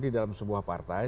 di dalam sebuah partai